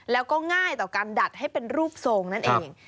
แล้วก็ง่ายต่อการดัดให้เป็นรูปทรงนั่นเอง